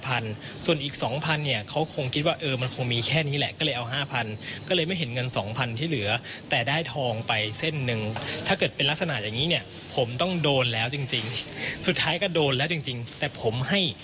อันนี้ก็ยังไม่หายนะครับ